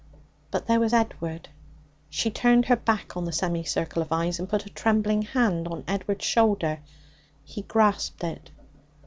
But there was Edward. She turned her back on the semi circle of eyes, and put a trembling hand on Edward's shoulder. He grasped it.